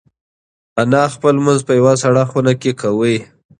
انا خپل لمونځ په یوه سړه خونه کې کاوه.